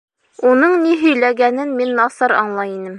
Уның ни һөйләгәнен мин насар аңлай инем.